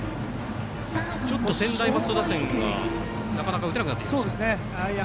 ちょっと専大松戸打線がなかなか打てなくなってきましたか。